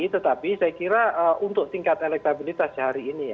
tetapi saya kira untuk tingkat elektabilitas sehari ini